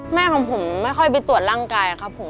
แม่ของผมไม่ค่อยไปตรวจร่างกายครับผม